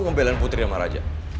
ngebelan putri rumah raja